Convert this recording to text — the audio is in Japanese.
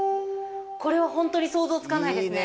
これはホントに想像つかないですね。